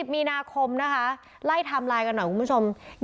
มีนาคมนะคะไล่ไทม์ไลน์กันหน่อยคุณผู้ชม